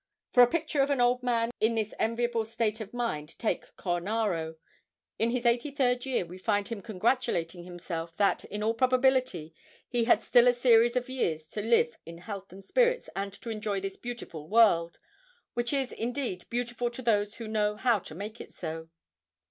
For a picture of an old man in this enviable state of mind take Cornaro. In his eighty third year we find him congratulating himself that in all probability he "had still a series of years to live in health and spirits and to enjoy this beautiful world, which is indeed beautiful to those who know how to make it so."